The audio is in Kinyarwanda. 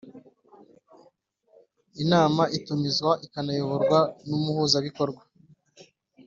Inama itumizwa ikanayoborwa n Umuhuzabikorwa